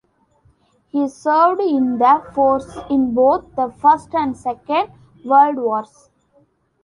He served in the forces in both the First and Second World Wars.